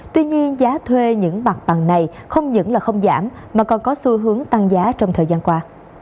tuy nhiên giá thuê những mặt bằng này không những là không giảm mà còn có xu hướng tăng giá trong thời gian qua